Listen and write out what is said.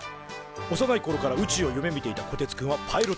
幼いころから宇宙を夢みていたこてつくんはパイロット科へ。